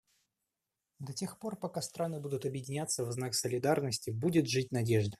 До тех пор пока страны будут объединяться в знак солидарности, будет жить надежда.